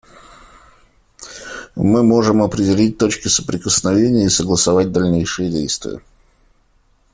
Мы можем определить точки соприкосновения и согласовать дальнейшие действия.